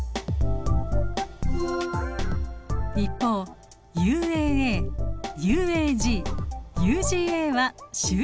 一方ＵＡＡＵＡＧＵＧＡは終止コドン。